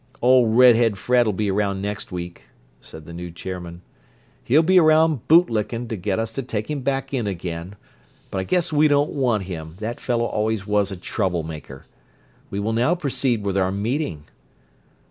"Ole red head Fred'll be around next week," said the new chairman. "He'll be around boot lickin' to get us to take him back in again, but I guess we don't want him: that fellow always was a trouble maker. We will now proceed with our meeting.